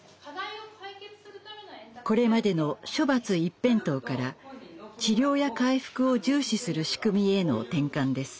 これまでの処罰一辺倒から治療や回復を重視する仕組みへの転換です。